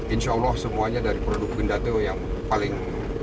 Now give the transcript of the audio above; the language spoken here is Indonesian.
insya allah semuanya dari produk pindad itu yang paling